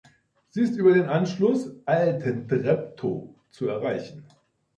Sie ist über den Anschluss "Altentreptow" zu erreichen.